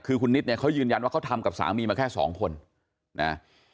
คือคุณนิดเนี่ยเขายืนยันว่าเขาทำกับสามีมาแค่สองคนนะ